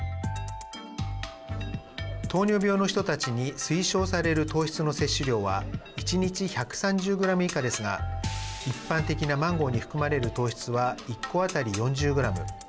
糖尿病の人たちに推奨される糖質の摂取量は１日１３０グラム以下ですが一般的なマンゴーに含まれる糖質は１個当たり４０グラム。